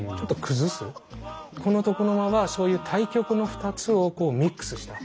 この床の間はそういう対極の２つをミックスした。